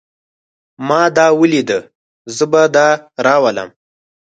ما دا وليده. زه به دا راولم.